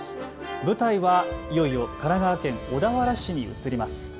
舞台はいよいよ神奈川県小田原市に移ります。